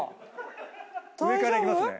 上からいきますね。